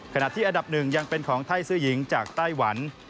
ขณะที่อันดับหนึ่งยังเป็นของไทยซื้อหญิงจากไต้หวัน